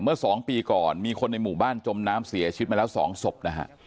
เมื่อ๒ปีก่อนมีคนในหมู่บ้านจมน้ำเสียชีวิตมาแล้ว๒ศพนะฮะ